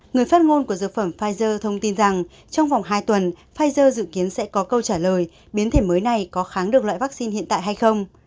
người phát ngôn của dược phẩm pfizer thông tin rằng trong vòng hai tuần pfizer dự kiến sẽ có câu trả lời biến thể mới này có kháng được loại vaccine hiện tại hay không